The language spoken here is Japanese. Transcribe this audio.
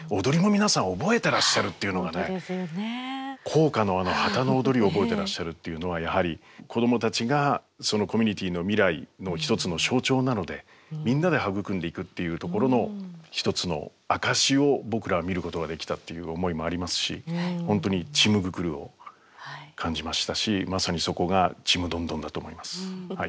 校歌の旗の踊りを覚えてらっしゃるというのはやはり子供たちがそのコミュニティーの未来の一つの象徴なのでみんなで育んでいくっていうところの一つの証しを僕らは見ることができたっていう思いもありますし本当に肝心を感じましたしまさにそこがちむどんどんだと思います。